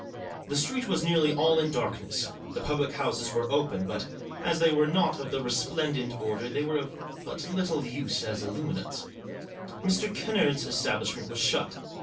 The street was nearly all in dark ness. The public houses were open ; but, as they were not of the resplendent order, they were of but little use as illuminants. Mr. Kennard's establishment was shut.